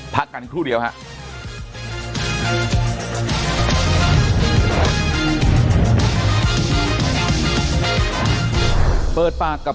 พักกันครู่เดียวครับ